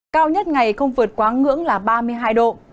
cao nhất ngày không vượt quá ngưỡng là ba mươi hai độ